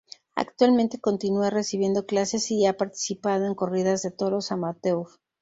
Actualmente continúa recibiendo clases y ha participado en corridas de toros amateur.